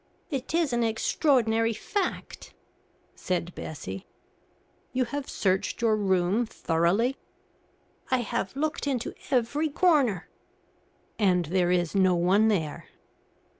"It is an extraordinary fact," said Bessie. "You have searched your room thoroughly?" "I have looked into every corner." "And there is no one there?"